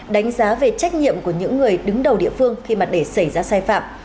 đánh giá về trách nhiệm của những người đứng đầu địa phương khi mà để xảy ra sai phạm